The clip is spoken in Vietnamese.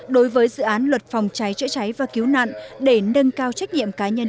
đối với dự án luật phòng trái chữa trái và cứu nạn để nâng cao trách nhiệm cá nhân